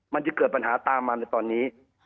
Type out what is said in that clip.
มันจะเกิดปัญหาตามมาในตอนนี้